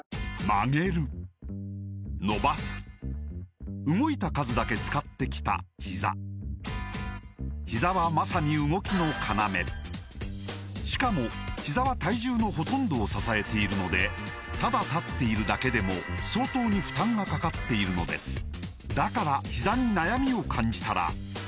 曲げる伸ばす動いた数だけ使ってきたひざひざはまさに動きの要しかもひざは体重のほとんどを支えているのでただ立っているだけでも相当に負担がかかっているのですだからひざに悩みを感じたら始めてみませんか